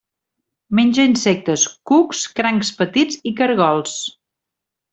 Menja insectes, cucs, crancs petits i caragols.